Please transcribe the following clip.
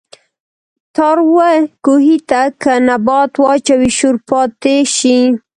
تاروۀ کوهي ته کۀ نبات واچوې شور پاتې شي